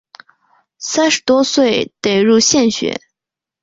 三十多岁得入县学。